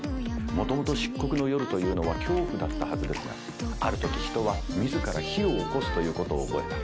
もともと漆黒の夜というのは恐怖だったはずですがあるとき人は自ら火をおこすということを覚えた。